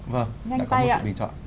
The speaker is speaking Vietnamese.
vâng đã có một sự bình chọn